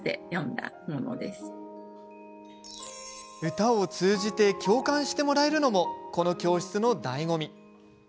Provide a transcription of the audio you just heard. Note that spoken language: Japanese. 歌を通じて共感してもらえるのもこの教室の、だいご味。